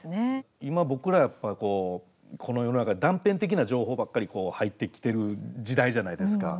今、僕らやっぱこの世の中で断片的な情報ばっかり入ってきてる時代じゃないですか。